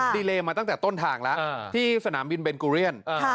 ดีเลมาตั้งแต่ต้นทางแล้วที่สนามบินเบนกูเรียน